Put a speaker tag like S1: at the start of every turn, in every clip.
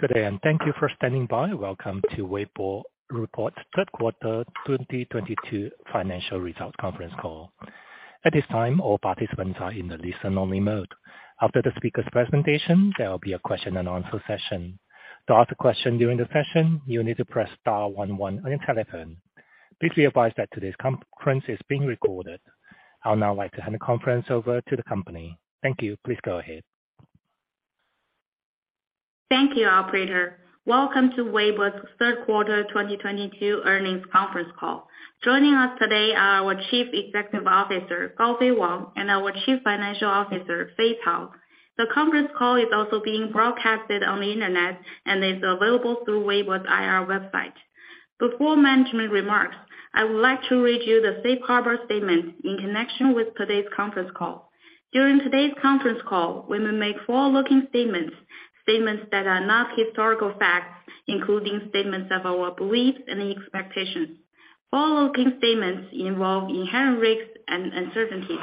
S1: Good day. Thank you for standing by. Welcome to Weibo Report third quarter 2022 Financial Results Conference Call. At this time, all participants are in the listen-only mode. After the speaker's presentation, there will be a question and answer session. To ask a question during the session, you need to press star 1 1 on your telephone. Please be advised that today's conference is being recorded. I'll now like to hand the conference over to the company. Thank you. Please go ahead.
S2: Thank you, operator. Welcome to Weibo's third quarter 2022 earnings conference call. Joining us today are our Chief Executive Officer, Gaofei Wang, and our Chief Financial Officer, Fei Cao. The conference call is also being broadcasted on the internet, and is available through Weibo's I.R. website. Before management remarks, I would like to read you the safe harbor statement in connection with today's conference call. During today's conference call, we may make forward-looking statements that are not historical facts, including statements of our beliefs and expectations. Forward-looking statements involve inherent risks and uncertainties.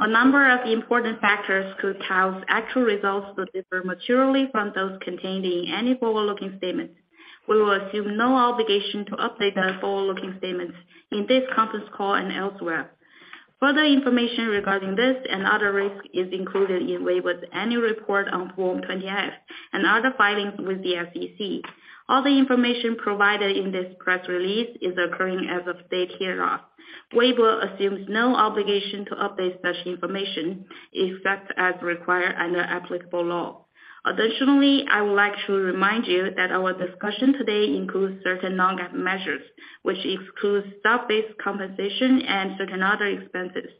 S2: A number of important factors could cause actual results to differ materially from those contained in any forward-looking statements. We will assume no obligation to update any forward-looking statements in this conference call and elsewhere. Further information regarding this and other risks is included in Weibo's annual report on Form 20-F and other filings with the SEC. All the information provided in this press release is current as of date hereof. Weibo assumes no obligation to update such information, except as required under applicable law. Additionally, I would like to remind you that our discussion today includes certain non-GAAP measures, which excludes stock-based compensation and certain other expenses.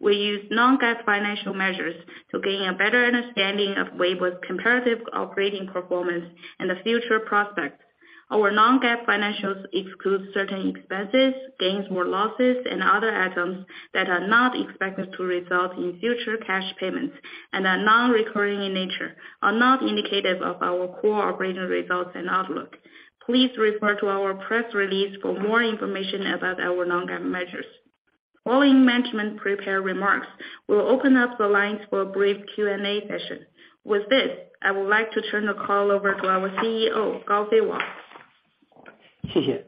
S2: We use non-GAAP financial measures to gain a better understanding of Weibo's comparative operating performance and the future prospects. Our non-GAAP financials excludes certain expenses, gains or losses, and other items that are not expected to result in future cash payments and are non-recurring in nature, are not indicative of our core operating results and outlook. Please refer to our press release for more information about our non-GAAP measures. Following management prepared remarks, we'll open up the lines for a brief Q&A session. With this, I would like to turn the call over to our CEO, Gaofei Wang.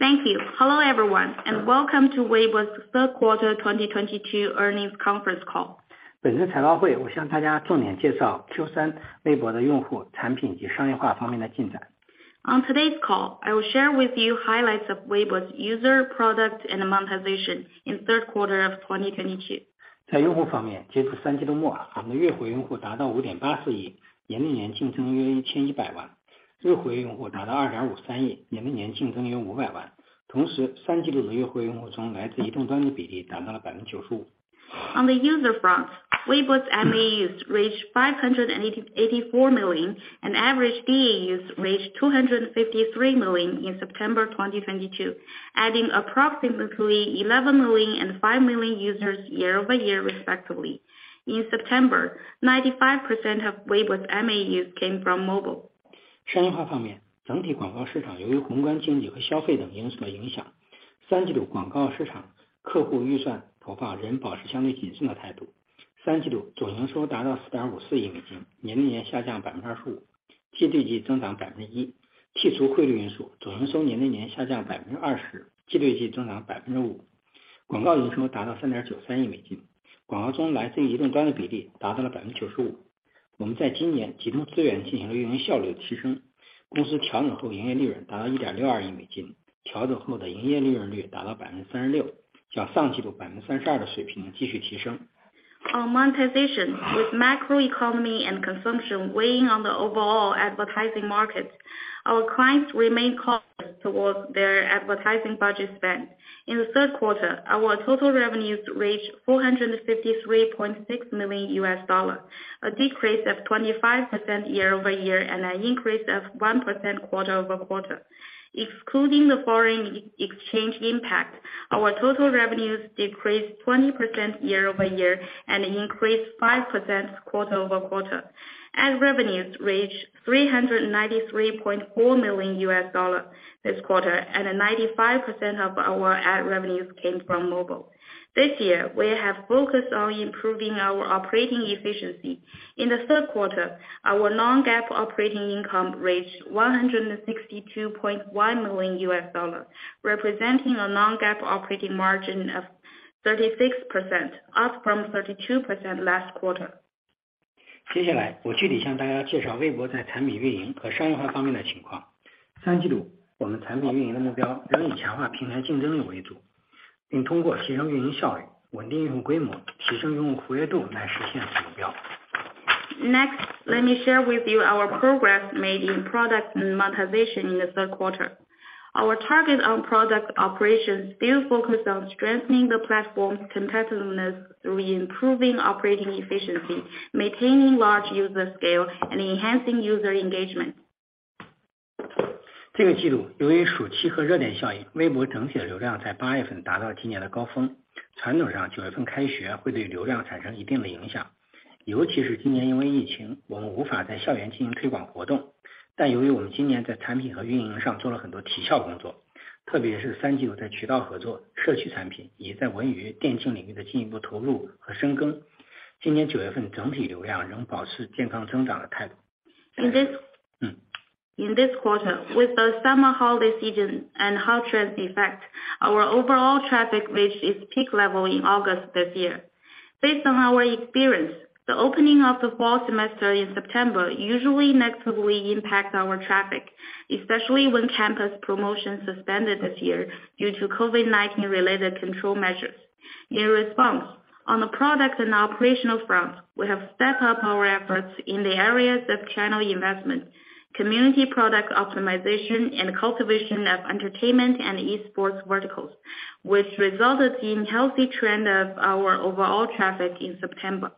S2: Thank you. Hello, everyone, and welcome to Weibo's third quarter 2022 earnings conference call. On today's call, I will share with you highlights of Weibo's user, product, and monetization in third quarter of 2022. On the user front, Weibo's MAUs reached 584 million, and average DAUs reached 253 million in September 2022, adding approximately 11 million and 5 million users year-over-year respectively. In September, 95% of Weibo's MAUs came from mobile. On monetization, with macroeconomy and consumption weighing on the overall advertising markets, our clients remain cautious towards their advertising budget spend. In the third quarter, our total revenues reached $453.6 million, a decrease of 25% year-over-year and an increase of 1% quarter-over-quarter. Excluding the foreign exchange impact, our total revenues decreased 20% year-over-year and increased 5% quarter-over-quarter. Ad revenues reached $393.4 million this quarter, and 95% of our ad revenues came from mobile. This year, we have focused on improving our operating efficiency. In the third quarter, our non-GAAP operating income reached $162.1 million, representing a non-GAAP operating margin of 36%, up from 32% last quarter. Next, let me share with you our progress made in product and monetization in the third quarter. Our target on product operations still focus on strengthening the platform's competitiveness through improving operating efficiency, maintaining large user scale, and enhancing user engagement. In this quarter, with the summer holiday season and hot trends effect, our overall traffic reached its peak level in August this year. Based on our experience, the opening of the fall semester in September usually negatively impacts our traffic, especially when campus promotion suspended this year due to COVID-19-related control measures. In response, on the product and operational front, we have stepped up our efforts in the areas of channel investment, community product optimization, and cultivation of entertainment and e-sports verticals, which resulted in healthy trend of our overall traffic in September.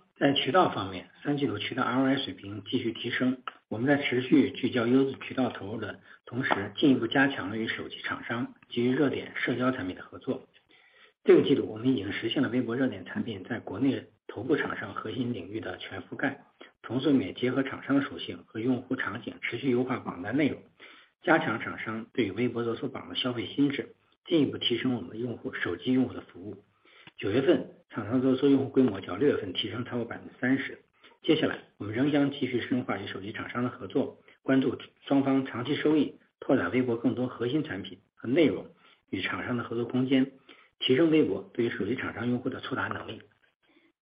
S3: 在渠道方面，三季度渠道ROI水平继续提升。我们在持续聚焦优质渠道投入的同时，进一步加强了与手机厂商及热点社交产品的合作。这个季度，我们已经实现了微博热点产品在国内头部厂商核心领域的全覆盖，同时也结合厂商的属性和用户场景，持续优化榜单内容，加强厂商对微博热搜榜的消费心智，进一步提升我们用户手机用户的服务。九月份，厂商热搜用户规模较六月份提升了超过30%。接下来，我们仍将继续深化与手机厂商的合作，关注双方长期收益，拓展微博更多核心产品和内容，与厂商的合作空间，提升微博对于手机厂商用户的触达能力。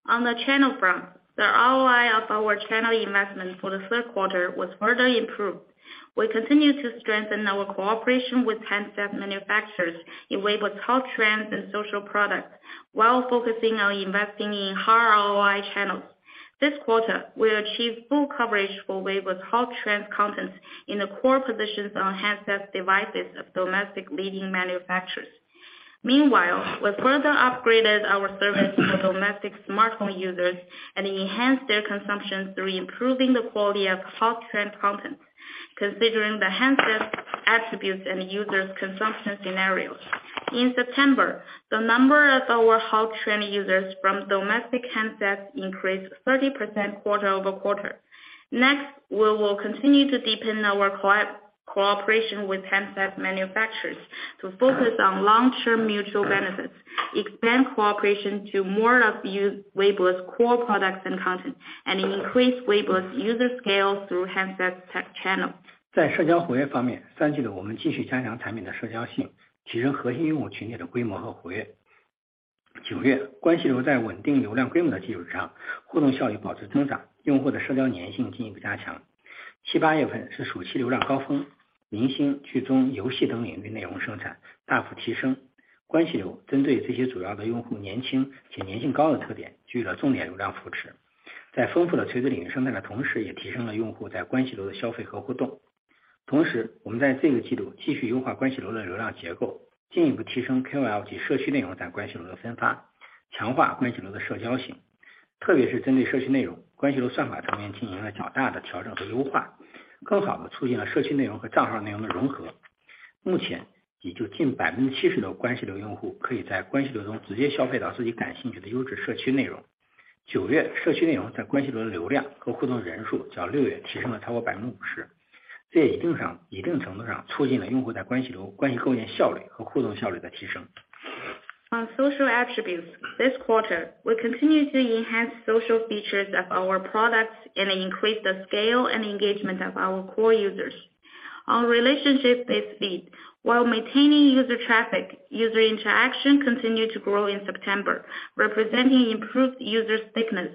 S2: On the channel front, the ROI of our channel investment for the third quarter was further improved. We continue to strengthen our cooperation with handset manufacturers in Weibo's hot trends and social products while focusing on investing in high ROI channels. This quarter, we achieved full coverage for Weibo hot trends contents in the core positions on handset devices of domestic leading manufacturers. Meanwhile, we further upgraded our service to domestic smartphone users and enhanced their consumption through improving the quality of hot trend content, considering the handset attributes and users' consumption scenarios. In September, the number of our hot trend users from domestic handsets increased 30% quarter-over-quarter. Next, we will continue to deepen our cooperation with handset manufacturers to focus on long-term mutual benefits, expand cooperation to more of Weibo's core products and content, and increase Weibo's user scale through handsets tech channel. On social attributes. This quarter, we continue to enhance social features of our products and increase the scale and engagement of our core users. On relationship-based feed. While maintaining user traffic, user interaction continued to grow in September, representing improved user stickiness.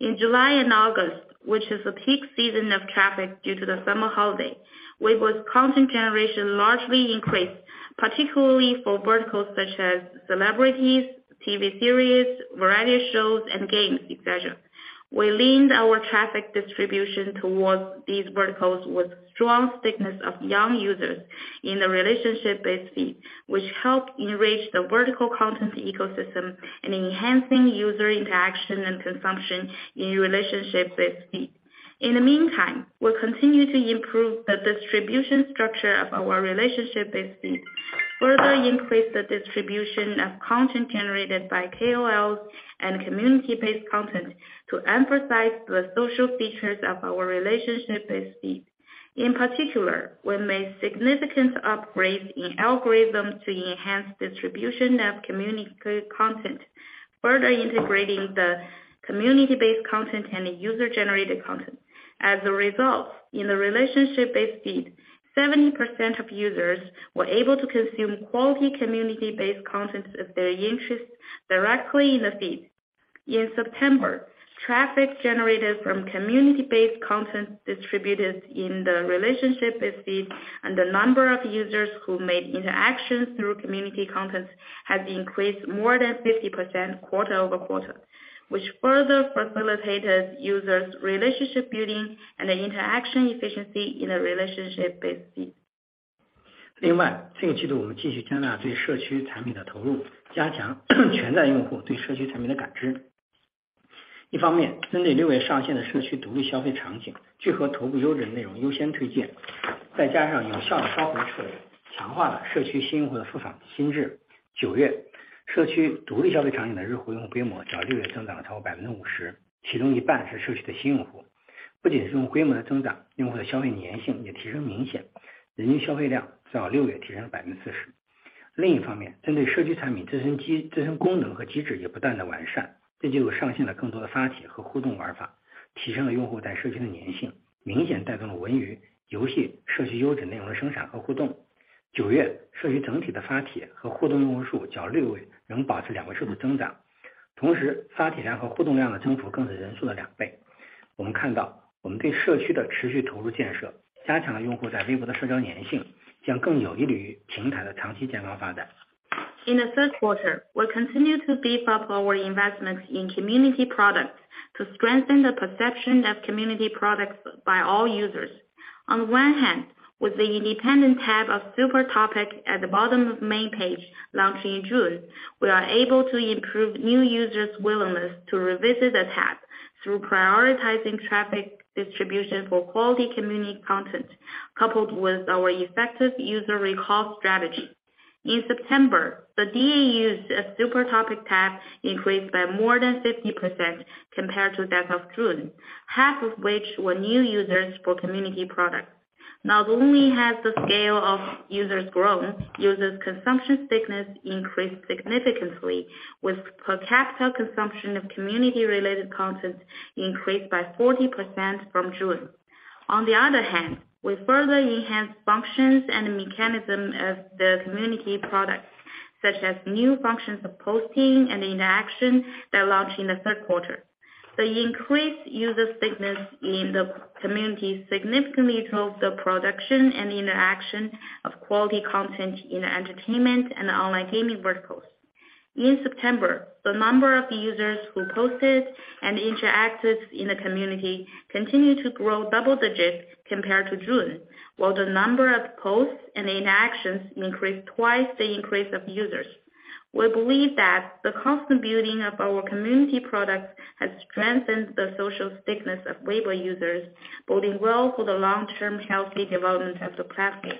S2: In July and August, which is a peak season of traffic due to the summer holiday. Weibo content generation largely increased, particularly for verticals such as celebrities, TV series, variety shows, and games, etc. We leaned our traffic distribution towards these verticals with strong stickiness of young users in the relationship-based feed, which helped enrich the vertical content ecosystem and enhancing user interaction and consumption in relationship-based feed. In the meantime, we continue to improve the distribution structure of our relationship-based feed, further increase the distribution of content generated by KOLs and community-based content to emphasize the social features of our relationship-based feed. In particular, we made significant upgrades in algorithms to enhance distribution of community content, further integrating the community-based content and user-generated content. As a result, in the relationship-based feed, 70% of users were able to consume quality community-based content of their interests directly in the feed. In September, traffic generated from community-based content distributed in the relationship-based feed and the number of users who made interactions through community content has increased more than 50% quarter-over-quarter, which further facilitated users' relationship building and interaction efficiency in a relationship-based feed. In the third quarter, we continue to beef up our investments in community products to strengthen the perception of community products by all users. On one hand, with the independent tab of super topic at the bottom of main page launched in June, we are able to improve new users' willingness to revisit the tab through prioritizing traffic distribution for quality community content, coupled with our effective user recall strategy. In September, the DAUs of super topic tab increased by more than 50% compared to that of June, half of which were new users for community products. Not only has the scale of users grown, users' consumption stickiness increased significantly, with per capita consumption of community-related content increased by 40% from June. On the other hand, we further enhance functions and mechanism of the community products, such as new functions of posting and interaction that launched in the third quarter. The increased user stickiness in the community significantly drove the production and interaction of quality content in entertainment and online gaming verticals. In September, the number of users who posted and interacted in the community continued to grow double digits compared to June, while the number of posts and interactions increased twice the increase of users. We believe that the constant building of our community products has strengthened the social stickiness of Weibo users, boding well for the long-term healthy development of the platform.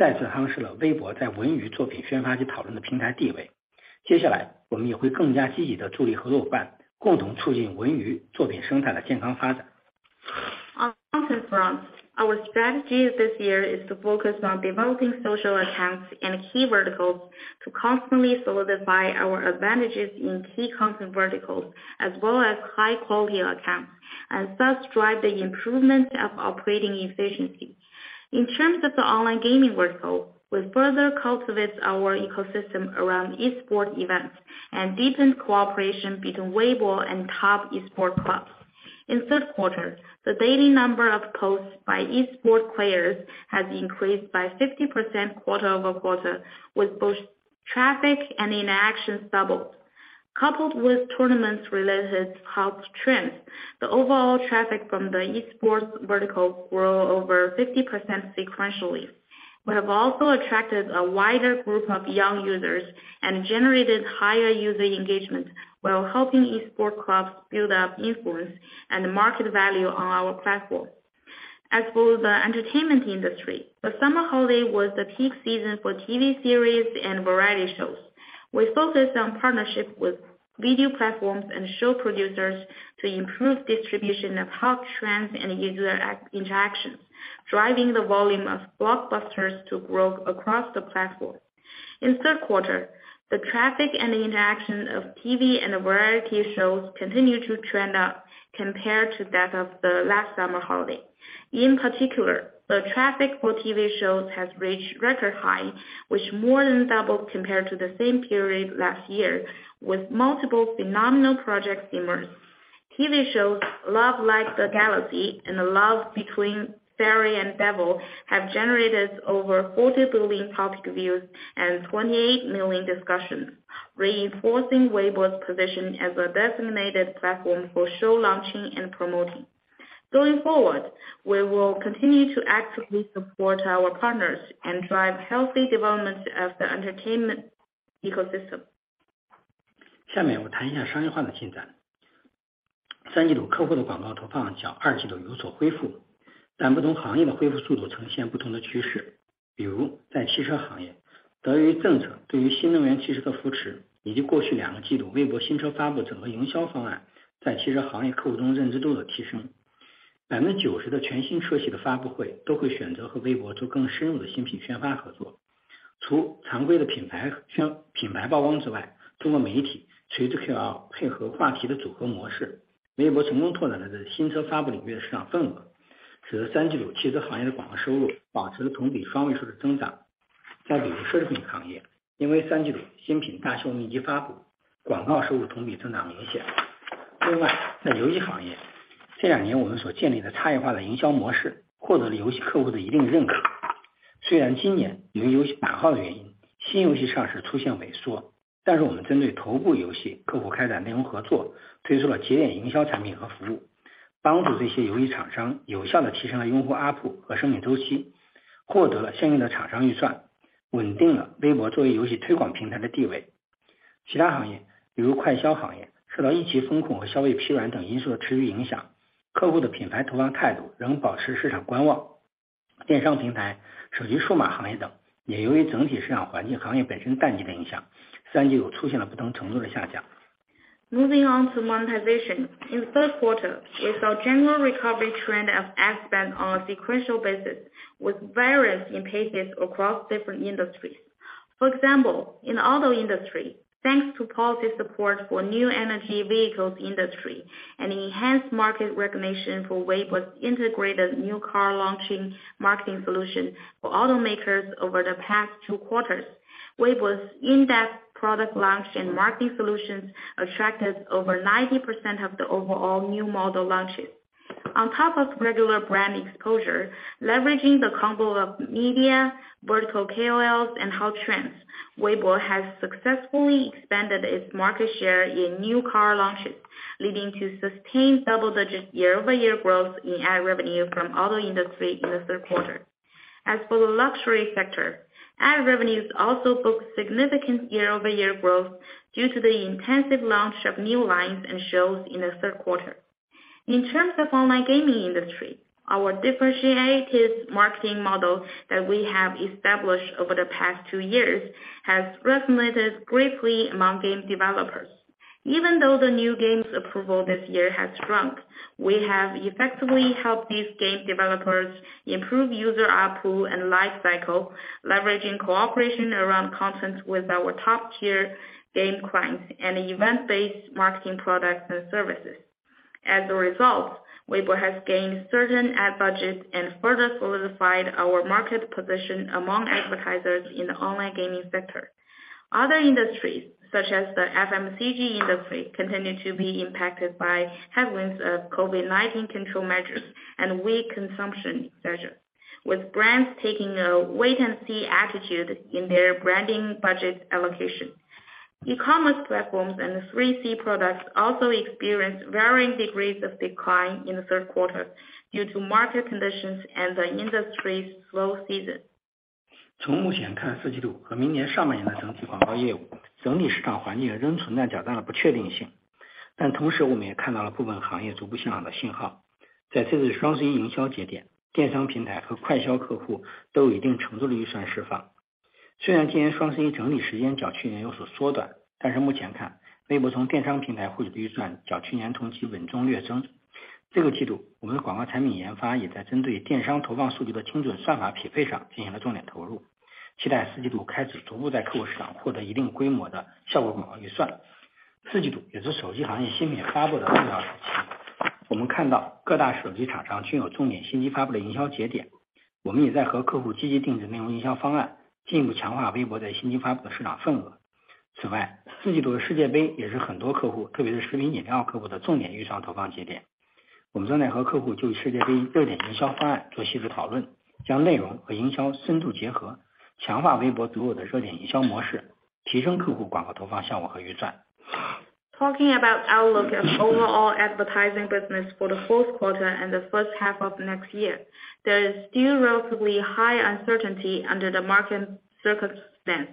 S2: On content front, our strategy this year is to focus on developing social accounts and key verticals to constantly solidify our advantages in key content verticals as well as high-quality accounts, and thus drive the improvement of operating efficiency. In terms of the online gaming vertical, we further cultivates our ecosystem around esport events and deepen cooperation between Weibo and top esport clubs. In third quarter, the daily number of posts by esport players has increased by 50% quarter-over-quarter, with both traffic and interactions doubled. Coupled with tournaments-related hot trends, the overall traffic from the esports vertical grow over 50% sequentially. We have also attracted a wider group of young users and generated higher user engagement, while helping esport clubs build up influence and market value on our platform. As for the entertainment industry, the summer holiday was the peak season for TV series and variety shows. We focused on partnership with video platforms and show producers to improve distribution of hot trends and user interactions, driving the volume of blockbusters to grow across the platform. In third quarter, the traffic and interaction of TV and variety shows continued to trend up compared to that of the last summer holiday. In particular, the traffic for TV shows has reached record high, which more than doubled compared to the same period last year, with multiple phenomenal projects emerged. TV shows Love Like the Galaxy and The Love Between Fairy and Devil have generated over 40 billion topic views and 28 million discussions, reinforcing Weibo's position as a designated platform for show launching and promoting. Going forward, we will continue to actively support our partners and drive healthy development of the entertainment ecosystem. Moving on to monetization. In third quarter, we saw general recovery trend of ad spend on a sequential basis with variance in paces across different industries. For example, in auto industry, thanks to policy support for new energy vehicles industry and enhanced market recognition for Weibo's integrated new car launching marketing solution for automakers over the past two quarters. Weibo's in-depth product launch and marketing solutions attracted over 90% of the overall new model launches. On top of regular brand exposure, leveraging the combo of media, vertical KOLs, and hot trends, Weibo has successfully expanded its market share in new car launches, leading to sustained double-digit year-over-year growth in ad revenue from auto industry in the third quarter. As for the luxury sector, ad revenues also booked significant year-over-year growth due to the intensive launch of new lines and shows in the third quarter. In terms of online gaming industry, our differentiated marketing model that we have established over the past two years has resonated greatly among game developers. Even though the new games approval this year has shrunk, we have effectively helped these game developers improve user ARPU and life cycle, leveraging cooperation around content with our top-tier game clients and event-based marketing products and services. As a result, Weibo has gained certain ad budgets and further solidified our market position among advertisers in the online gaming sector. Other industries, such as the FMCG industry, continue to be impacted by headwinds of COVID-19 control measures and weak consumption measure, with brands taking a wait-and-see attitude in their branding budget allocation. E-commerce Platforms and the 3C products also experienced varying degrees of decline in the third quarter due to market conditions and the industry's slow season. Talking about outlook of overall advertising business for the fourth quarter and the first half of next year. There is still relatively high uncertainty under the market circumstance.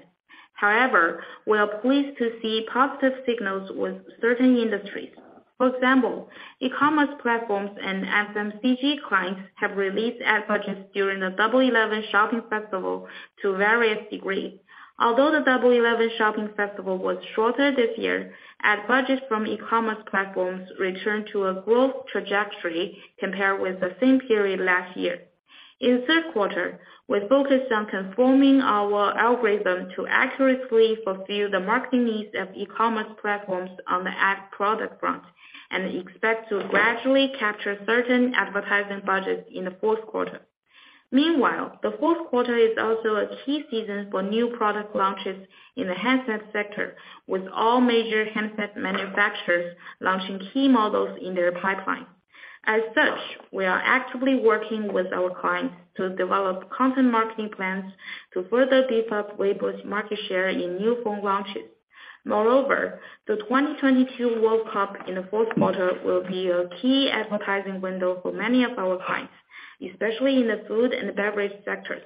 S2: However, we are pleased to see positive signals with certain industries. For example, E-commerce Platforms and FMCG clients have released ad budgets during the Double 11 shopping festival to various degrees. Although the Double 11 shopping festival was shorter this year, ad budgets from E-commerce Platforms returned to a growth trajectory compared with the same period last year. In third quarter, we focused on confirming our algorithm to accurately fulfill the marketing needs of E-commerce Platforms on the ad product front, and expect to gradually capture certain advertising budgets in the fourth quarter. Meanwhile, the fourth quarter is also a key season for new product launches in the handset sector, with all major handset manufacturers launching key models in their pipeline. As such, we are actively working with our clients to develop content marketing plans to further beef up Weibo's market share in new phone launches. Moreover, the 2022 World Cup in the fourth quarter will be a key advertising window for many of our clients, especially in the food and beverage sectors.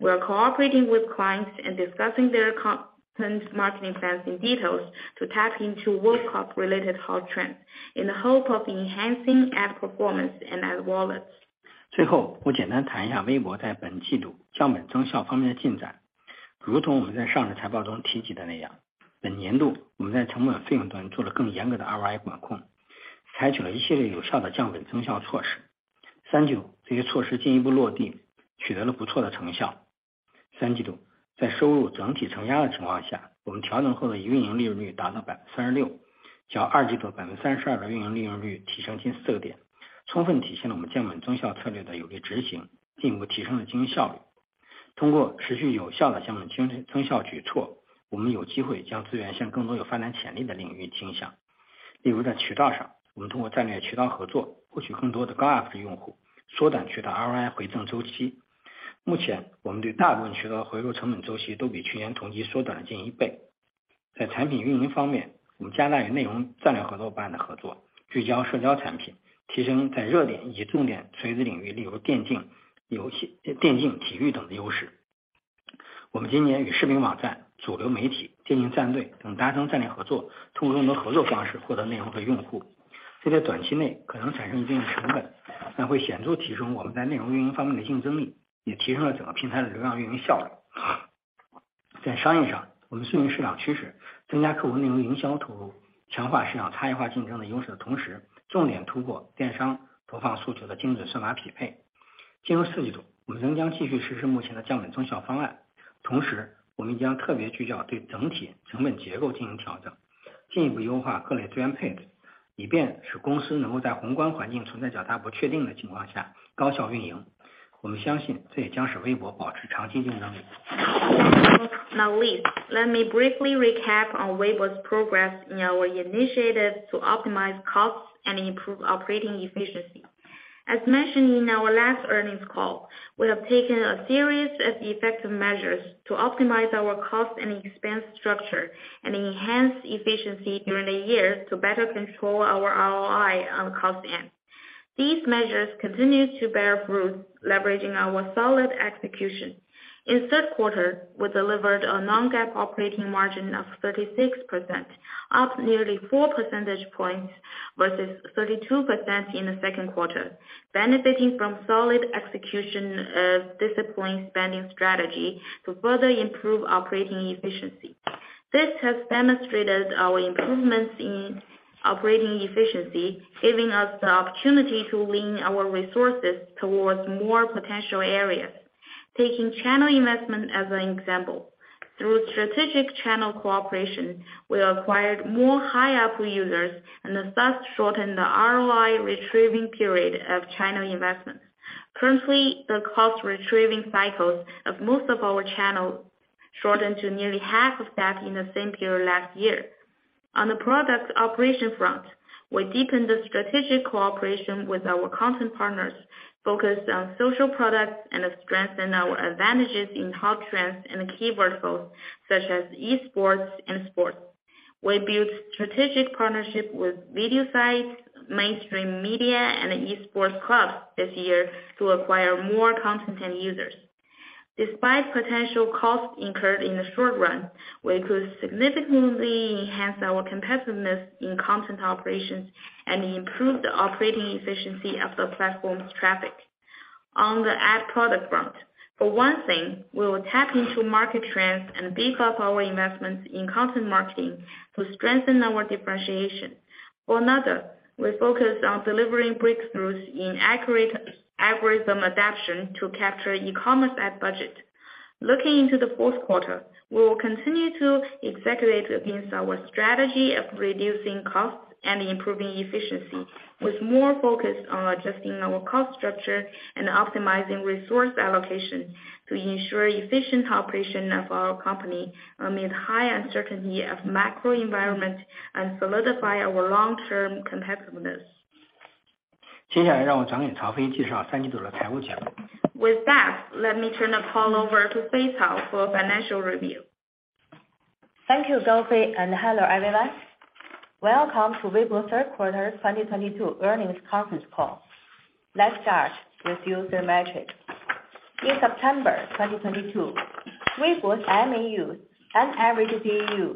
S2: We are cooperating with clients and discussing their content marketing plans in detail to tap into World Cup-related hot trends in the hope of enhancing ad performance and ad wallets. Now last let me briefly recap on Weibo's progress in our initiatives to optimize costs and improve operating efficiency. As mentioned in our last earnings call, we have taken a series of effective measures to optimize our cost and expense structure and enhance efficiency during the year to better control our ROI on cost end. These measures continue to bear fruit, leveraging our solid execution. In third quarter, we delivered a non-GAAP operating margin of 36%, up nearly four percentage points versus 32% in the second quarter, benefiting from solid execution of disciplined spending strategy to further improve operating efficiency. This has demonstrated our improvements in operating efficiency, giving us the opportunity to lean our resources towards more potential areas. Taking channel investment as an example, through strategic channel cooperation, we acquired more high-ARPU users and thus shortened the ROI retrieving period of channel investment. Currently, the cost retrieving cycles of most of our channels shortened to nearly half of that in the same period last year. On the product operation front, we deepened the strategic cooperation with our content partners, focused on social products and strengthened our advantages in hot trends and key verticals such as e-sports and sports. We built strategic partnerships with video sites, mainstream media and e-sports clubs this year to acquire more content and users. Despite potential costs incurred in the short run, we could significantly enhance our competitiveness in content operations and improve the operating efficiency of the platform's traffic. On the ad product front, for one thing, we will tap into market trends and beef up our investments in content marketing to strengthen our differentiation. For another, we focus on delivering breakthroughs in accurate algorithm adaptation to capture e-commerce ad budget. Looking into the fourth quarter, we will continue to execute against our strategy of reducing costs and improving efficiency, with more focus on adjusting our cost structure and optimizing resource allocation to ensure efficient operation of our company amid high uncertainty of macro environment and solidify our long-term competitiveness.
S3: 接下来让我转给曹飞介绍三季度的财务情况。
S2: With that, let me turn the call over to Fei Cao for financial review.
S4: Thank you, Gaofei, and hello everyone. Welcome to Weibo third quarter 2022 earnings conference call. Let's start with user metric. In September 2022, Weibo's MAU and average DAU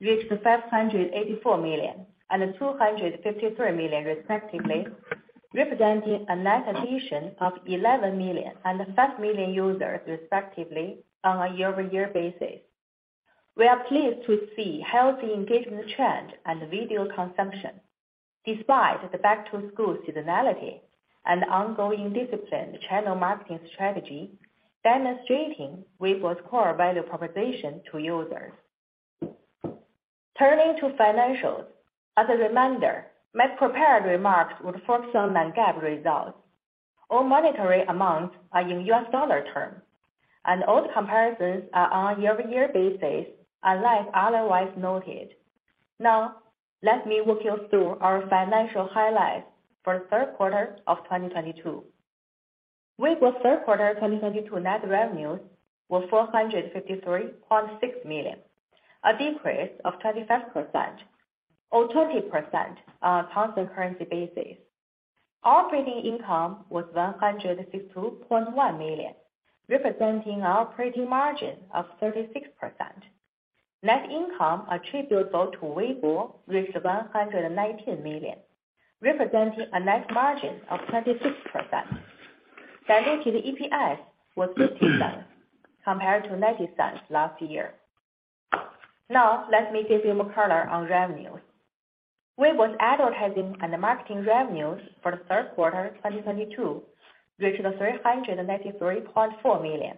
S4: reached 584 million and 253 million respectively, representing a net addition of 11 million and 5 million users respectively on a year-over-year basis. We are pleased to see healthy engagement trend and video consumption despite the back-to-school seasonality and ongoing disciplined channel marketing strategy, demonstrating Weibo's core value proposition to users. Turning to financials. As a reminder, my prepared remarks would focus on non-GAAP results. All monetary amounts are in U.S. dollar term and all comparisons are on a year-over-year basis, unless otherwise noted. Now let me walk you through our financial highlights for the third quarter of 2022. Weibo third quarter 2022 net revenues were $453.6 million, a decrease of 25% or 20% on a constant currency basis. Operating income was $152.1 million, representing operating margin of 36%. Net income attributable to Weibo reached $119 million, representing a net margin of 26%. Diluted EPS was $0.50 compared to $0.90 last year. Now let me give you more color on revenues. Weibo's advertising and marketing revenues for the third quarter 2022 reached $393.4 million,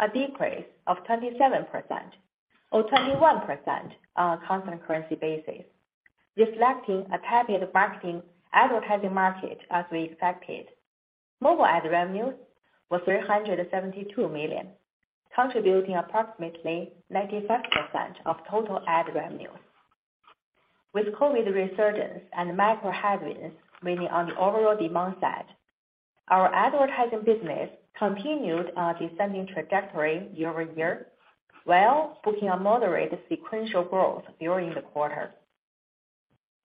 S4: a decrease of 27% or 21% on a constant currency basis, reflecting a tepid marketing advertising market as we expected. Mobile ad revenues was $372 million, contributing approximately 95% of total ad revenues. With COVID resurgence and macro headwinds weighing on the overall demand side, our advertising business continued a descending trajectory year-over-year, while booking a moderate sequential growth during the quarter.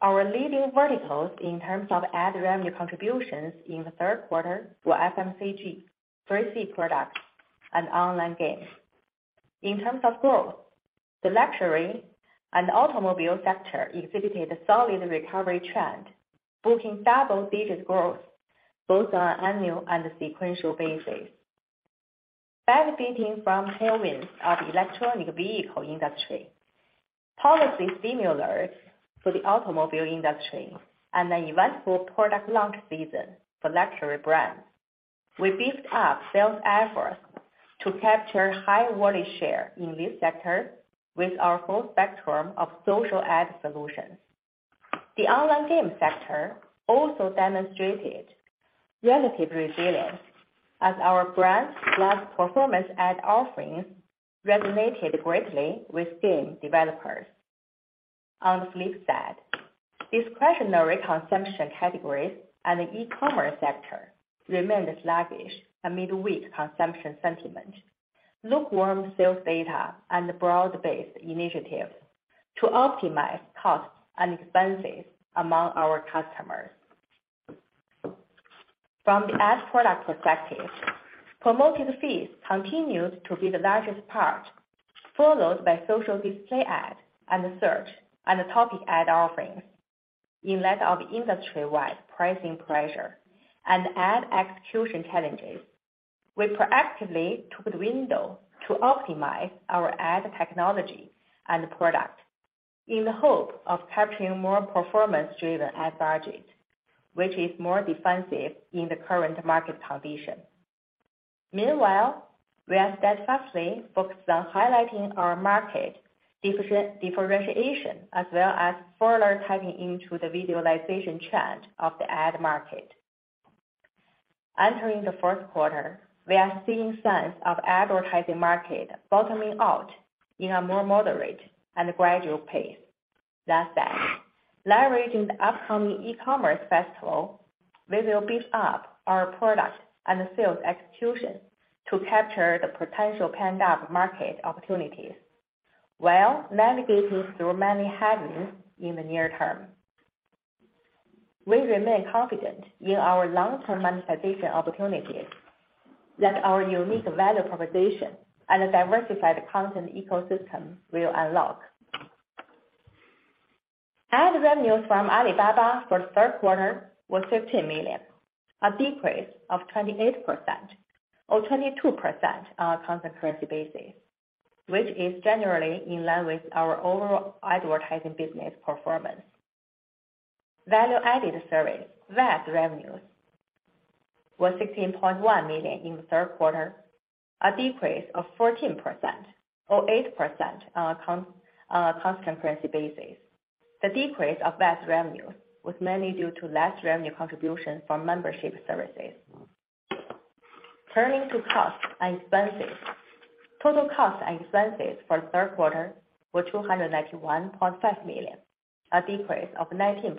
S4: Our leading verticals in terms of ad revenue contributions in the third quarter were FMCG, 3C products, and online games. In terms of growth, the luxury and automobile sector exhibited a solid recovery trend, booking double-digit growth both on annual and sequential basis, benefiting from tailwinds of electric vehicle industry, policy stimulus for the automobile industry, and an eventful product launch season for luxury brands. We beefed up sales efforts to capture high wallet share in this sector with our full spectrum of social ad solutions. The online game sector also demonstrated relative resilience as our brand plus performance ad offerings resonated greatly with game developers. On the flip side, discretionary consumption categories and the E-commerce sector remained sluggish amid weak consumption sentiment, lukewarm sales data, and broad-based initiatives to optimize costs and expenses among our customers. From the ad product perspective, promoted feeds continued to be the largest part, followed by social display ad, and search, and topic ad offerings. In light of industry-wide pricing pressure and ad execution challenges, we proactively took the window to optimize our ad technology and product in the hope of capturing more performance-driven ad budget, which is more defensive in the current market condition. Meanwhile, we are steadfastly focused on highlighting our market differentiation, as well as further tapping into the visualization trend of the ad market. Entering the fourth quarter, we are seeing signs of advertising market bottoming out in a more moderate and gradual pace. That said, leveraging the upcoming E-commerce festival, we will beef up our product and sales execution to capture the potential pent-up market opportunities while navigating through many headwinds in the near term. We remain confident in our long-term monetization opportunities that our unique value proposition and a diversified content ecosystem will unlock. Ad revenues from Alibaba for the third quarter was $15 million, a decrease of 28% or 22% on a constant currency basis, which is generally in line with our overall advertising business performance. Value-added service, VAS revenues was $16.1 million in the third quarter, a decrease of 14% or 8% on a constant currency basis. The decrease of VAS revenues was mainly due to less revenue contribution from membership services. Turning to costs and expenses. Total costs and expenses for the third quarter were $291.5 million, a decrease of 19%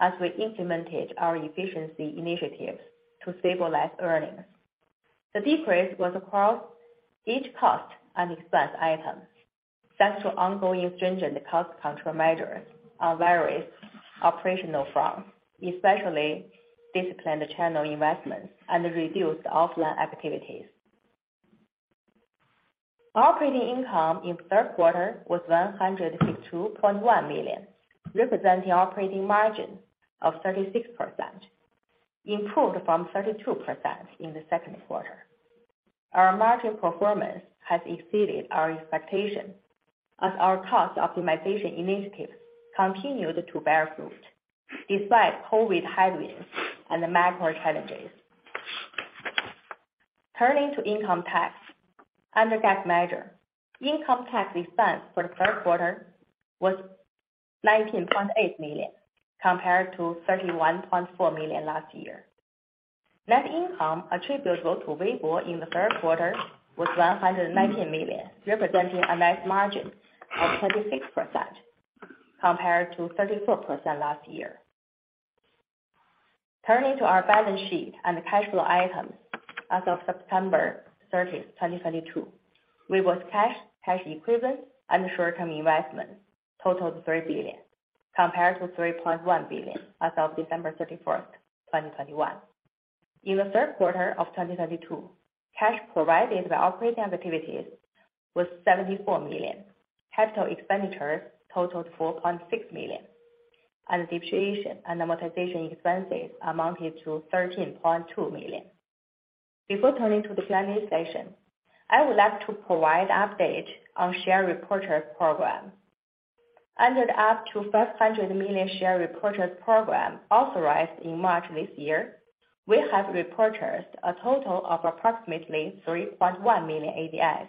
S4: as we implemented our efficiency initiatives to stabilize earnings. The decrease was across each cost and expense item, thanks to ongoing stringent cost control measures on various operational fronts, especially disciplined channel investments and reduced offline activities. Operating income in the third quarter was $162.1 million, representing operating margin of 36%, improved from 32% in the second quarter. Our margin performance has exceeded our expectation as our cost optimization initiatives continued to bear fruit despite COVID headwinds and the macro challenges. Turning to income tax. Under GAAP measure, income tax expense for the third quarter was $19.8 million compared to $31.4 million last year. Net income attributable to Weibo in the third quarter was $119 million, representing a net margin of 26% compared to 34% last year. Turning to our balance sheet and cash flow items. As of September 30th, 2022, Weibo's cash equivalents, and short-term investments totaled $3 billion compared to $3.1 billion as of December 31st, 2021. In the third quarter of 2022, cash provided by operating activities was $74 million. Capital expenditures totaled $4.6 million. Depreciation and amortization expenses amounted to $13.2 million. Before turning to the planning session, I would like to provide update on share repurchase program. Under the up to $500 million share repurchase program authorized in March this year, we have repurchased a total of approximately 3.1 million ADSs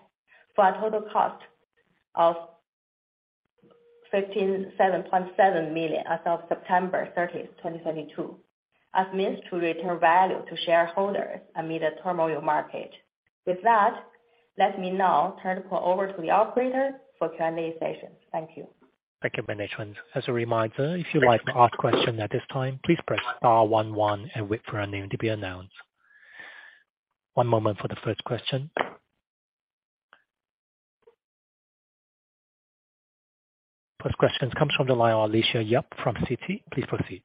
S4: for a total cost of $57.7 million as of September 30th, 2022. We've returned value to shareholders amid a turmoil market. With that, let me now turn the call over to the operator for Q&A session. Thank you.
S1: Thank you, management. As a reminder, if you'd like to ask question at this time, please press star 1 1 and wait for your name to be announced. One moment for the first question. First question comes from the line Alicia Yap from Citigroup. Please proceed.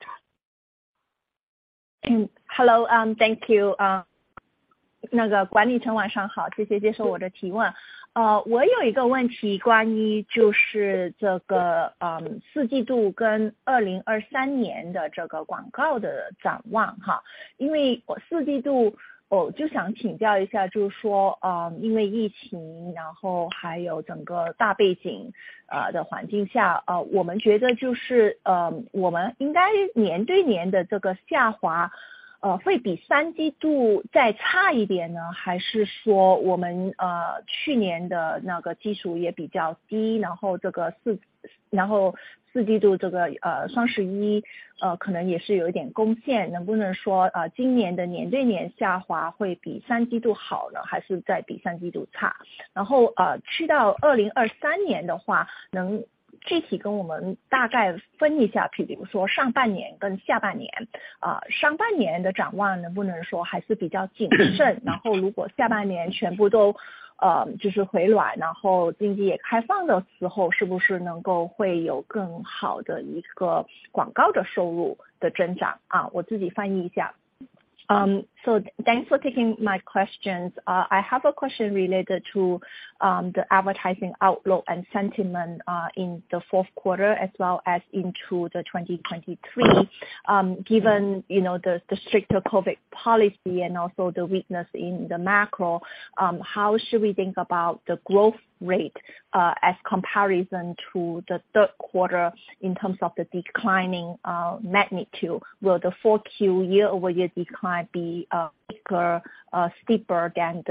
S5: So thanks for taking my questions. I have a question related to the advertising outlook and sentiment in the fourth quarter as well as into 2023. Given the stricter COVID policy and also the weakness in the macro, how should we think about the growth rate as comparison to the third quarter in terms of the declining magnitude? Will the Q4 year-over-year decline be bigger, steeper than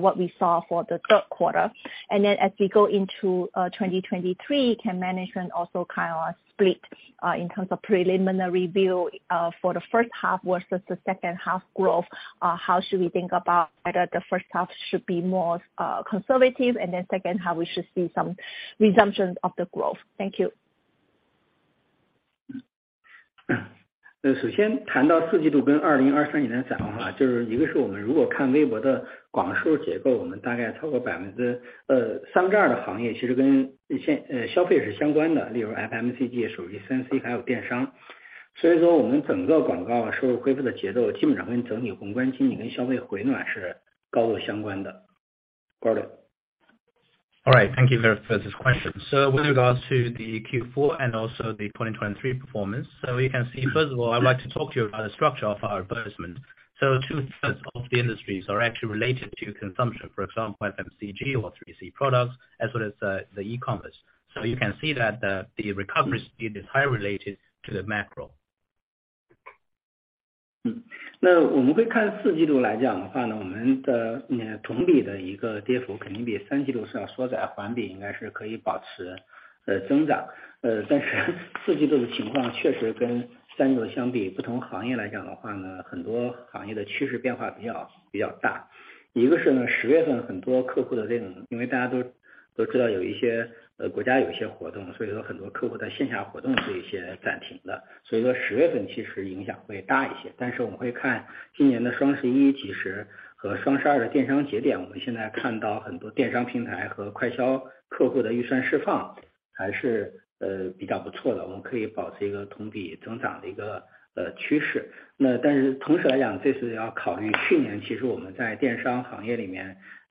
S5: what we saw for the third quarter? As we go into 2023, can management also kind of split in terms of preliminary view for the first half versus the second half growth? How should we think about whether the first half should be more conservative? Second half we should see some resumption of the growth. Thank you.
S6: All right, thank you for this question. With regards to the Q4 and also the 2023 performance, you can see, first of all, I would like to talk to you about the structure of our advertisement. Two thirds of the industries are actually related to consumption. For example, FMCG or 3C products as well as the e-commerce. You can see that the recovery speed is highly related to the macro.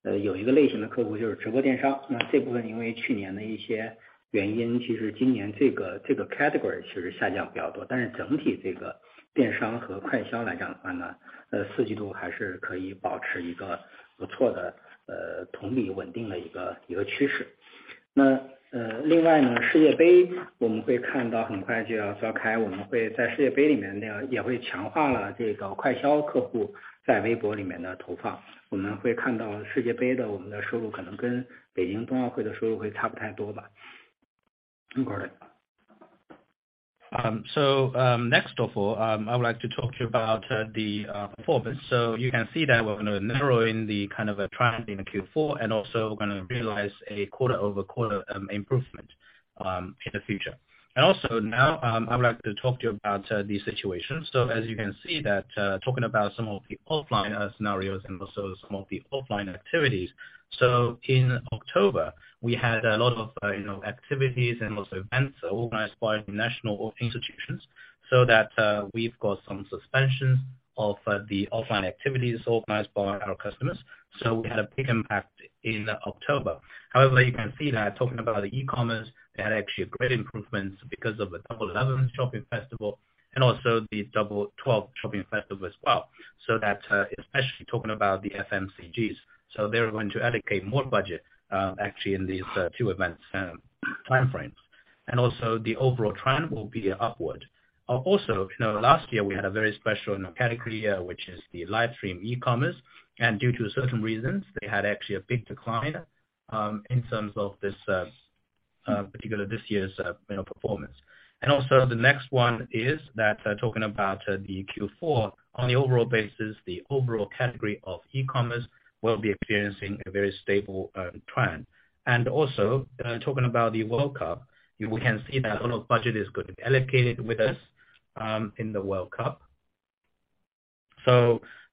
S6: Next of all, I would like to talk to you about the performance. You can see that we're going to narrow in the kind of a trend in Q4 and also we're going to realize a quarter-over-quarter improvement. In the future. Also now, I would like to talk to you about the situation. As you can see that talking about some of the offline scenarios and also some of the offline activities, in October, we had a lot of, you know, activities and also events organized by national institutions so that we've got some suspensions of the offline activities organized by our customers. We had a big impact in October. However, you can see that talking about e-commerce, they had actually a great improvements because of the Double 11 shopping festival and also the Double 12 shopping festival as well. That's especially talking about the FMCGs. They're going to allocate more budget actually in these two events timeframes. Also the overall trend will be upward. Also, you know, last year we had a very special category, which is the live stream e-commerce, and due to certain reasons, they had actually a big decline in terms of this particular this year's, you know, performance. The next one is that talking about the Q4 on the overall basis, the overall category of E-commerce will be experiencing a very stable trend. Talking about the World Cup, you can see that a lot of budget is going to be allocated with us in the World Cup.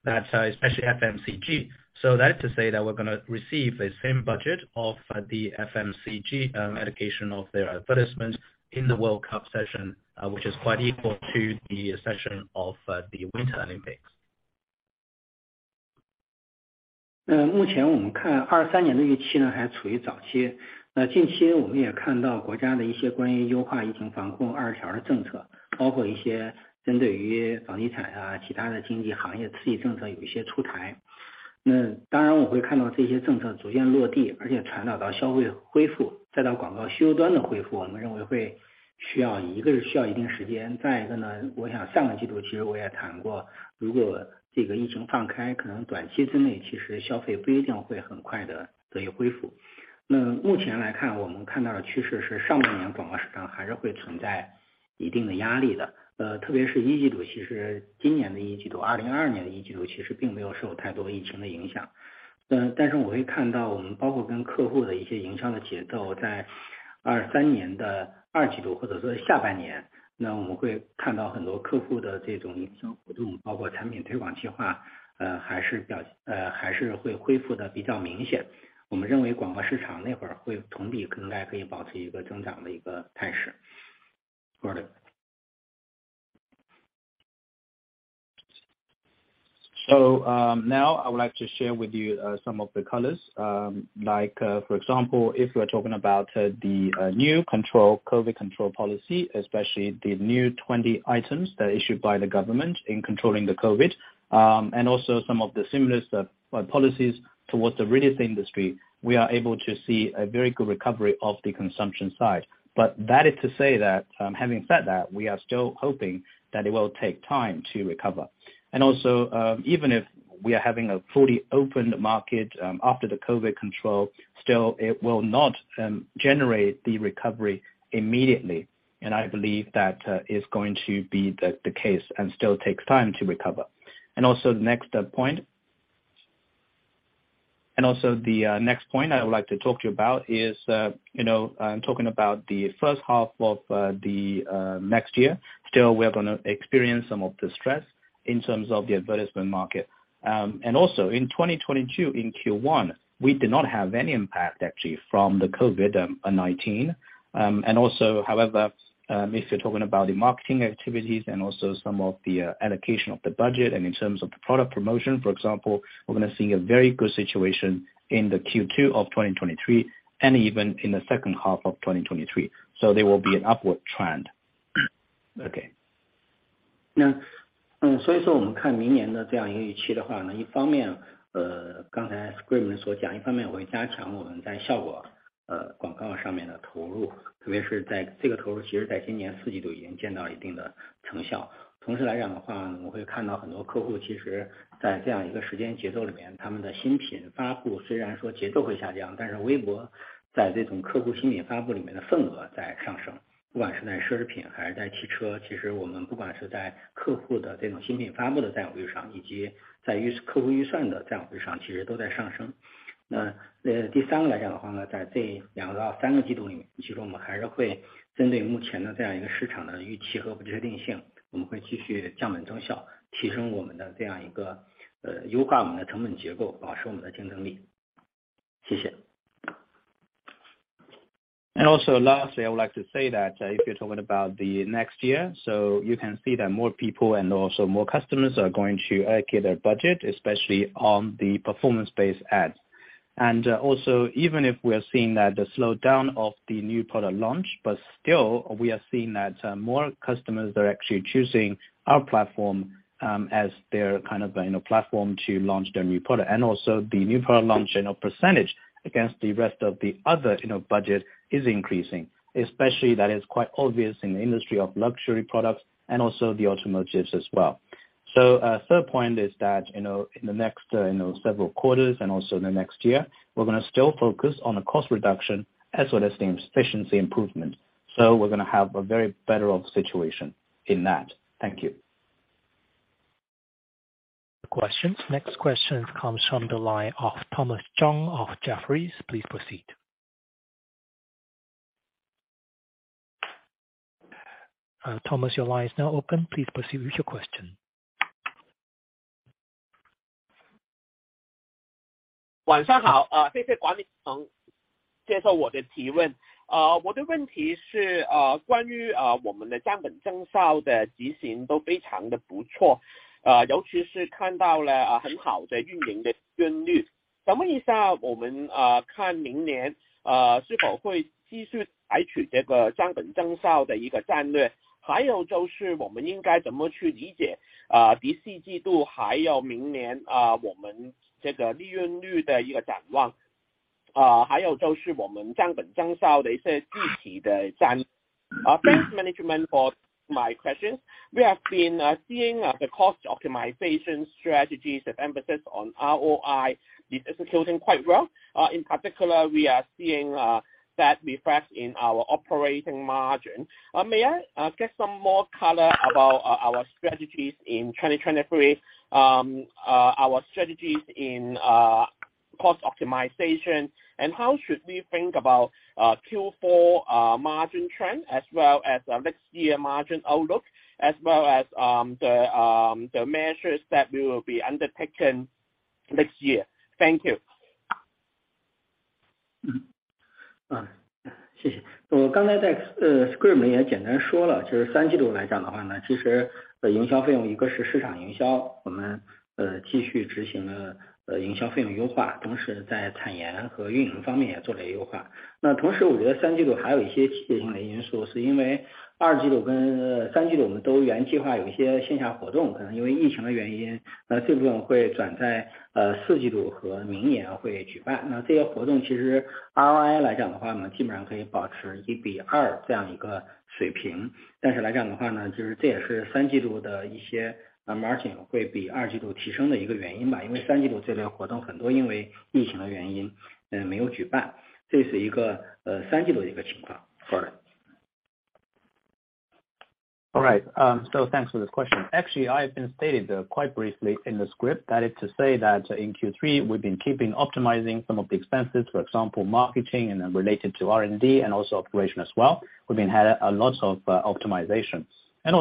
S6: That's especially FMCG. That is to say that we're gonna receive the same budget of the FMCG allocation of their advertisements in the World Cup session, which is quite equal to the session of the Winter Olympics. Now I would like to share with you some of the colors, like, for example, if we are talking about the new control, COVID control policy, especially the new 20 items that are issued by the government in controlling the COVID, and also some of the stimulus policies towards the real estate industry, we are able to see a very good recovery of the consumption side. That is to say that, having said that, we are still hoping that it will take time to recover. Even if we are having a fully open market after the COVID control, still it will not generate the recovery immediately. I believe that is going to be the case and still takes time to recover. The next point. The next point I would like to talk to you about is, you know, talking about the first half of the next year. Still, we are gonna experience some of the stress in terms of the advertisement market. In 2022, in Q1, we did not have any impact actually from the COVID-19. However, if you're talking about the marketing activities and also some of the allocation of the budget and in terms of the product promotion, for example, we're gonna see a very good situation in the Q2 of 2023 and even in the second half of 2023. There will be an upward trend. Okay. Lastly, I would like to say that if you're talking about the next year, so you can see that more people and also more customers are going to allocate their budget, especially on the performance-based ads. Also even if we are seeing that the slowdown of the new product launch, but still we are seeing that more customers are actually choosing our platform as their kind of, you know, platform to launch their new product. The new product launch, you know, percentage against the rest of the other, you know, budget is increasing, especially that is quite obvious in the industry of luxury products and also the automotives as well. Third point is that, you know, in the next, you know, several quarters and also the next year, we're gonna still focus on the cost reduction as well as the efficiency improvement. We're gonna have a very better situation in that. Thank you. Questions.
S1: Next questions comes from the line of Thomas Chong of Jefferies. Please proceed. Thomas, your line is now open. Please proceed with your question.
S7: 晚上好，谢谢管理层接受我的提问。我的问题是关于我们的降本增效的执行都非常的不错，尤其是看到了很好的运营的利润率。想问一下，我们看明年是否会继续采取这个降本增效的一个战略？还有就是我们应该怎么去理解第四季度，还有明年，我们这个利润率的一个展望，还有就是我们降本增效的一些具体的战... Thanks management for my questions. We have been seeing the cost optimization strategies and emphasis on ROI is executing quite well. In particular, we are seeing that reflect in our operating margin. May I get some more color about our strategies in 2023, our strategies in cost optimization, and how should we think about Q4 margin trend as well as next year margin outlook as well as the measures that we will be undertaking next year? Thank you.
S3: 谢谢。我刚才在script也简单说了，就是三季度来讲的话呢，其实营销费用一个是市场营销，我们继续执行了营销费用优化，同时在探研和运营方面也做了优化。那同时我觉得三季度还有一些季节性的因素，是因为二季度跟三季度我们都原计划有一些线下活动，可能因为疫情的原因，那这部分会转在四季度和明年会举办。那这些活动其实ROI来讲的话呢，基本上可以保持一比二这样一个水平。但是来讲的话呢，就是这也是三季度的一些margin会比二季度提升的一个原因吧。因为三季度这类活动很多，因为疫情的原因，没有举办，这是一个三季度的一个情况。Go ahead。
S6: All right, thanks for this question. Actually, I've been stated quite briefly in the script. That is to say that in Q3, we've been keeping optimizing some of the expenses, for example, marketing and then related to R&D and also operation as well. We've been had a lot of optimizations. In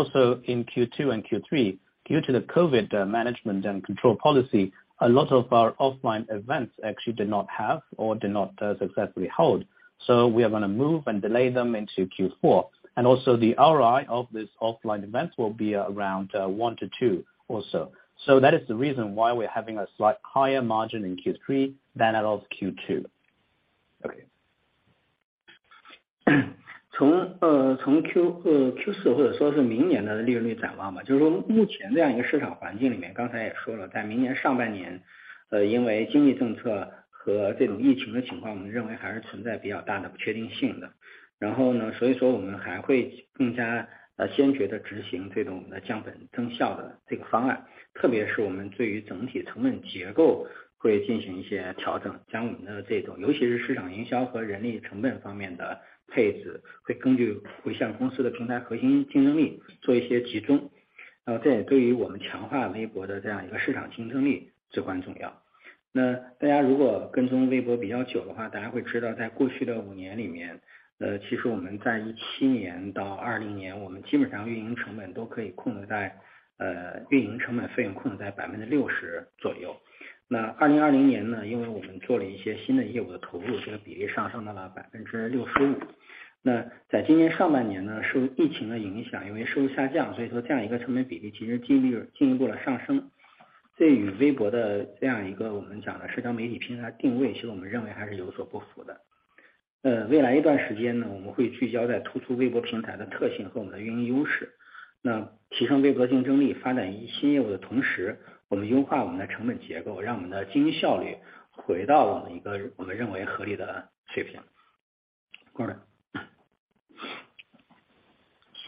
S6: Q2 and Q3, due to the COVID management and control policy, a lot of our offline events actually did not have or did not successfully hold. We are going to move and delay them into Q4. The ROI of this offline events will be around one to two or so. That is the reason why we're having a slight higher margin in Q3 than that of Q2.
S3: 从Q4或者说是明年的利润率展望吧，就是说目前这样一个市场环境里面，刚才也说了，在明年上半年，因为经济政策和这种疫情的情况，我们认为还是存在比较大的不确定性的。所以说我们还会更加坚决地执行这种降本增效的这个方案，特别是我们对于整体成本结构会进行一些调整，将我们的这种尤其是市场营销和人力成本方面的配置，会根据回向公司的平台核心竞争力做一些集中，这也对于我们强化微博的这样一个市场竞争力至关重要。那大家如果跟踪微博比较久的话，大家会知道在过去的五年里面，其实我们在十七年到二十年，我们基本上运营成本都可以控制在运营成本费用控制在60%左右。那2021年呢，因为我们做了一些新的业务的投入，这个比例上升到了65%。那在今年上半年呢，受疫情的影响，因为收入下降，所以说这样一个成本比例其实进一步上升。这与微博的这样一个我们讲的社交媒体平台定位，其实我们认为还是有所不符的。未来一段时间呢，我们会聚焦在突出微博平台的特性和我们的运营优势，那提升微博竞争力，发展新业务的同时，我们优化我们的成本结构，让我们的经营效率回到一个我们认为合理的水平。Go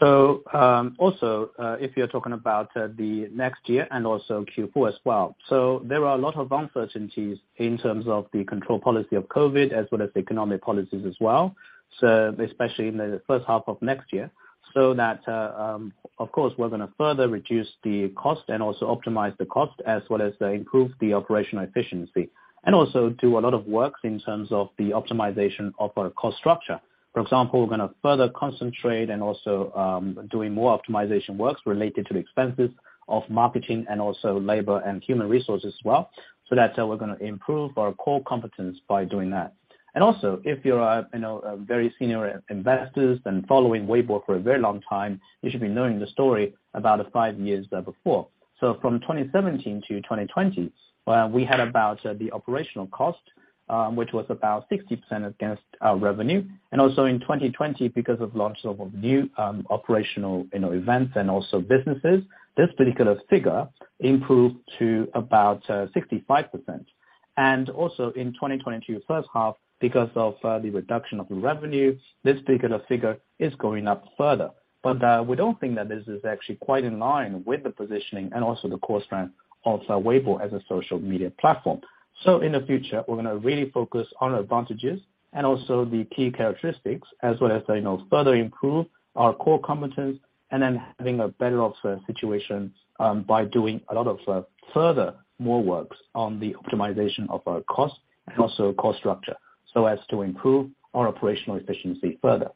S3: ahead。
S6: Also, if you are talking about the next year and also Q4 as well. There are a lot of uncertainties in terms of the control policy of COVID, as well as the economic policies as well, so especially in the first half of next year, so that, of course, we're going to further reduce the cost and also optimize the cost as well as improve the operational efficiency and also do a lot of works in terms of the optimization of our cost structure. For example, we're going to further concentrate and also doing more optimization works related to the expenses of marketing and also labor and human resources as well. That's how we're going to improve our core competence by doing that. If you are, you know, a very senior investors been following Weibo for a very long time, you should be knowing the story about five years before. From 2017-2020, well, we had about the operational cost which was about 60% against our revenue. In 2020, because of launch of new operational, you know, events and also businesses, this particular figure improved to about 65%. In 2022 first half, because of the reduction of the revenue, this particular figure is going up further. We don't think that this is actually quite in line with the positioning and also the cost trend of Weibo as a social media platform. In the future, we're going to really focus on advantages and also the key characteristics as well as, you know, further improve our core competence and then having a better-off situation by doing a lot of further more works on the optimization of our cost and also cost structure. As to improve our operational efficiency further.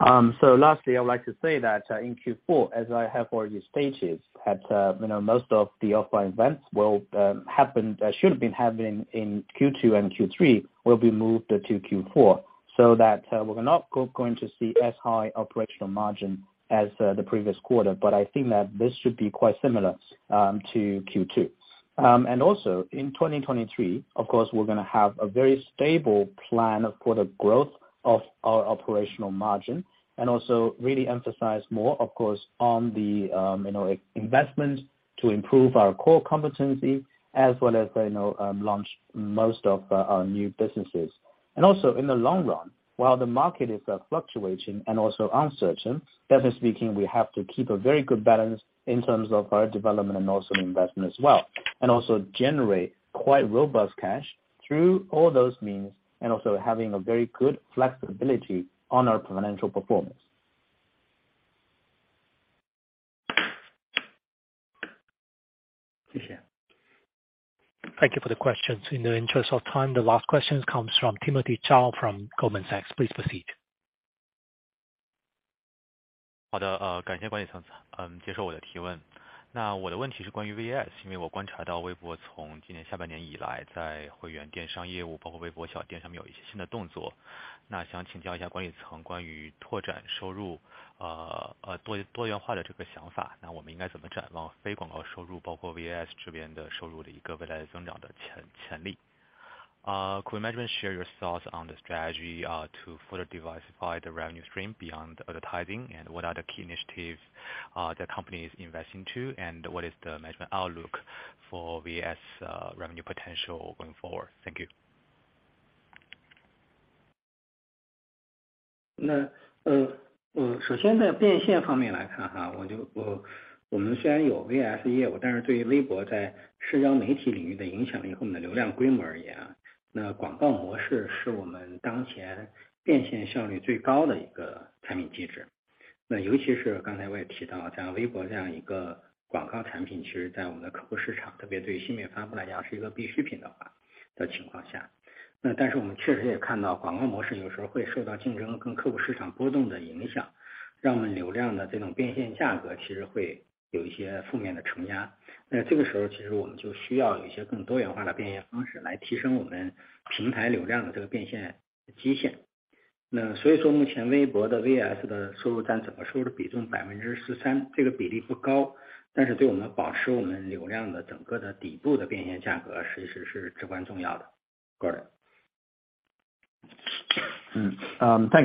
S6: Lastly I'd like to say that in Q4, as I have already stated, that you know most of the offline events should have been happening in Q2 and Q3 will be moved to Q4 so that we are not going to see as high operational margin as the previous quarter. I think that this should be quite similar to Q2. In 2023, of course, we're going to have a very stable plan for the growth of our operational margin and also really emphasize more, of course, on the you know investment to improve our core competency as well as launch most of our new businesses. In the long run, while the market is fluctuating and also uncertain, definitely speaking, we have to keep a very good balance in terms of our development and also investment as well, and also generate quite robust cash through all those means and also having a very good flexibility on our financial performance.
S3: 谢谢。
S1: Thank you for the questions. In the interest of time, the last question comes from Timothy Zhao from Goldman Sachs. Please proceed.
S8: 好的，感谢管理层接受我的提问。那我的问题是关于VAS，因为我观察到微博从今年下半年以来，在会员电商业务，包括微博小店上面有一些新的动作，那想请教一下管理层关于拓展收入多元化的这个想法，那我们应该怎么展望非广告收入，包括VAS这边的收入的一个未来增长的潜力。Uh, could management share your thoughts on the strategy to further diversify the revenue stream beyond advertising? What are the key initiatives the company is investing to? What is the management outlook for VAS revenue potential going forward? Thank you.
S3: 那，我首先在变现方面来看，我们虽然有VAS业务，但是对于微博在社交媒体领域的影响力和我们的流量规模而言，那广告模式是我们当前变现效率最高的一个产品机制。那尤其是刚才我也提到，像微博这样一个广告产品，其实在我们的客户市场，特别对于新媒体发布来讲，是一个必需品的情况下。那但是我们确实也看到，广告模式有时候会受到竞争跟客户市场波动的影响，让我们流量的这种变现价格其实会有一些负面的承压。那这个时候其实我们就需要有一些更多元化的变现方式来提升我们平台流量的这个变现的极限。那所以说目前微博的VAS的收入占总收入的比重13%，这个比例不高，但是对我们保持我们流量的整个的底部的变现价格其实是至关重要的。Go ahead。
S6: Thank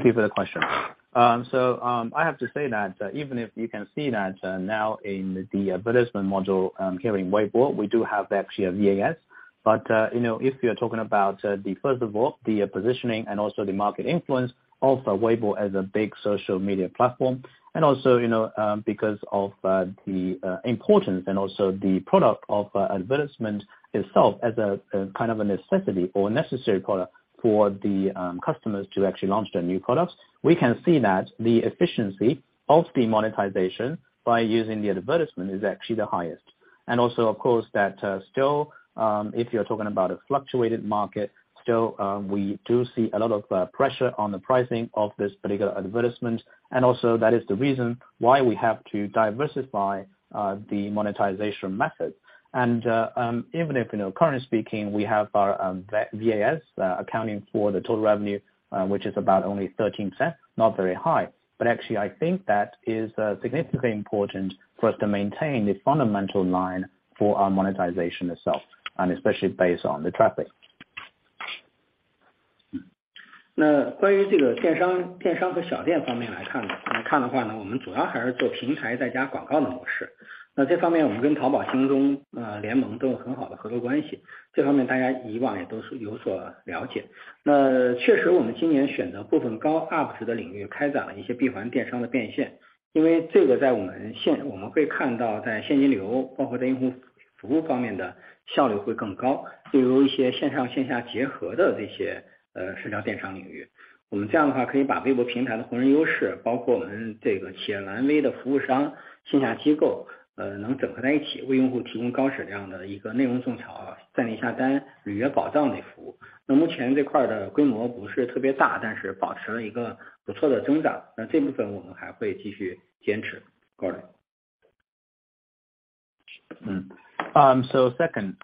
S6: you for the question. I have to say that even if you can see that now in the advertisement module here in Weibo, we do have actually a VAS. You know, if you are talking about the first of all, the positioning and also the market influence of Weibo as a big social media platform, and also, you know, because of the importance and also the product of advertisement itself as a kind of a necessity or necessary product for the customers to actually launch their new products, we can see that the efficiency of the monetization by using the advertisement is actually the highest. Of course, that still, if you are talking about a fluctuated market, still we do see a lot of pressure on the pricing of this particular advertisement. That is the reason why we have to diversify the monetization method. Even if you know currently speaking, we have our VAS accounting for the total revenue, which is about only 13%, not very high. Actually I think that is significantly important for us to maintain the fundamental line for our monetization itself, and especially based on the traffic. Second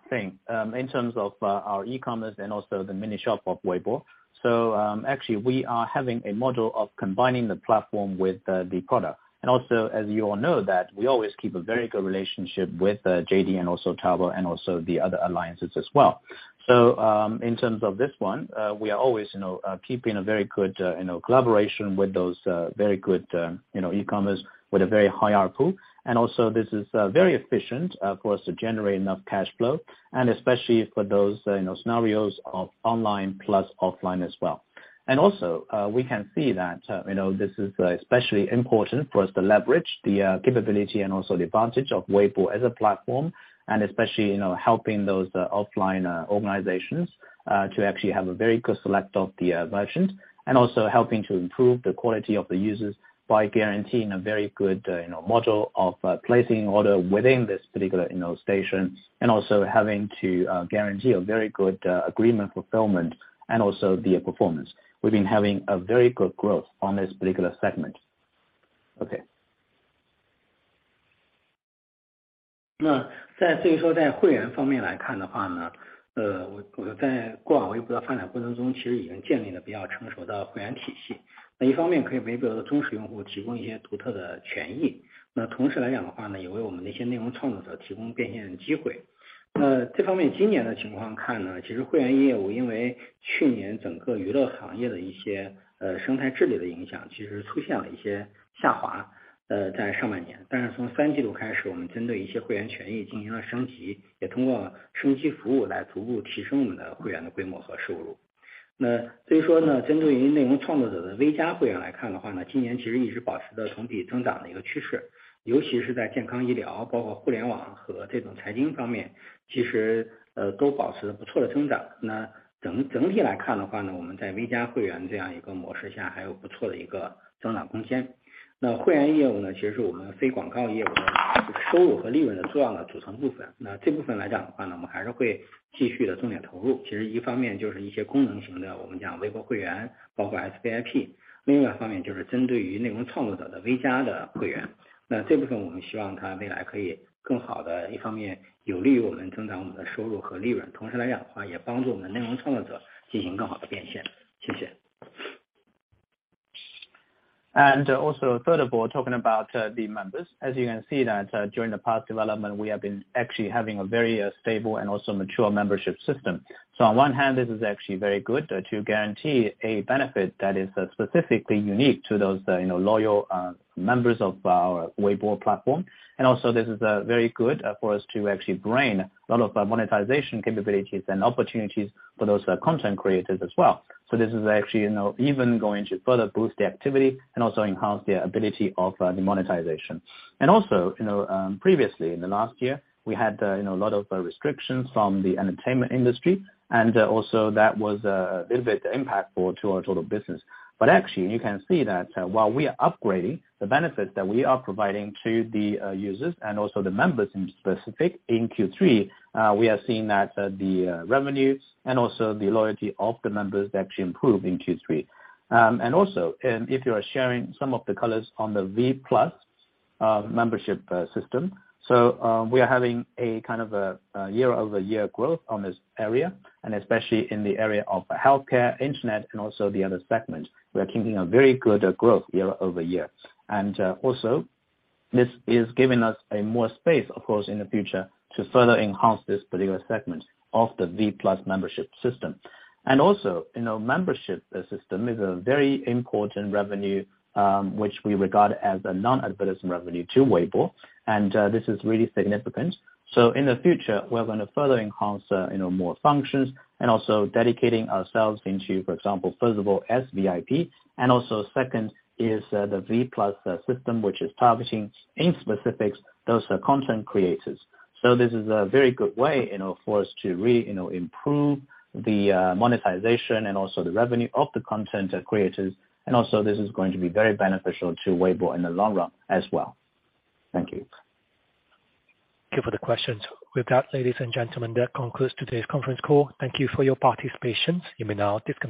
S6: thing, in terms of our E-commerce and also the mini shop of Weibo. Actually we are having a model of combining the platform with the product. As you all know that we always keep a very good relationship with JD and also Taobao and also the other alliances as well. In terms of this one, we are always, you know, keeping a very good, you know, collaboration with those very good, you know, E-commerce with a very high output. This is very efficient for us to generate enough cash flow and especially for those, you know, scenarios of online plus offline as well. We can see that, you know, this is especially important for us to leverage the capability and also the advantage of Weibo as a platform and especially, you know, helping those offline organizations to actually have a very good select of the versions, and also helping to improve the quality of the users by guaranteeing a very good, you know, model of placing order within this particular, you know, station and also having to guarantee a very good agreement fulfillment and also the performance. We've been having a very good growth on this particular segment. Okay. Further for talking about the members. As you can see that, during the past development, we have been actually having a very stable and also mature membership system. On one hand, this is actually very good to guarantee a benefit that is specifically unique to those, you know, loyal members of our Weibo platform. Also this is very good for us to actually bring a lot of our monetization capabilities and opportunities for those content creators as well. This is actually, you know, even going to further boost the activity and also enhance the ability of the monetization. Also, you know, previously in the last year, we had, you know, a lot of restrictions from the entertainment industry. Also that was a little bit impact to our total business. Actually you can see that while we are upgrading the benefits that we are providing to the users and also the members in specific in Q3, we are seeing that the revenues and also the loyalty of the members actually improved in Q3. If you are sharing some of the colors on the V+ membership system, we are having a kind of a year-over-year growth on this area, and especially in the area of healthcare, internet and also the other segments. We are keeping a very good growth year-over-year. Also this is giving us a more space, of course, in the future to further enhance this particular segment of the V+ Membership System. You know, Membership System is a very important revenue, which we regard as a non-advertising revenue to Weibo, and this is really significant. In the future, we're gonna further enhance, you know, more functions and also dedicating ourselves into, for example, first of all, SVIP. Second is the V+ system, which is targeting in specifics those content creators. This is a very good way, you know, for us to, you know, improve the monetization and also the revenue of the content creators. This is going to be very beneficial to Weibo in the long run as well. Thank you.
S1: Thank you for the questions. With that, ladies and gentlemen, that concludes today's conference call. Thank you for your participation. You may now disconnect.